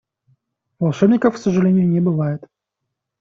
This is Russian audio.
Волшебников, к сожалению, не бывает.